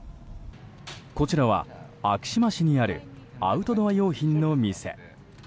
こちらは昭島市にあるアウトドア用品の店。